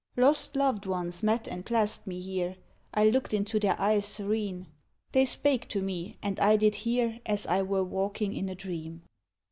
Lost loved ones met and clasped me here; I looked into their eyes serene, They spake to me, and I did hear As I were walking in a dream.